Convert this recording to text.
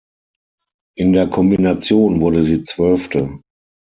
In der Kombination wurde sie Zwölfte.